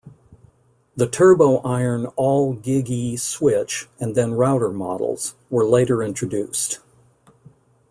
The TurboIron all GigE switch and then router models were later introduced.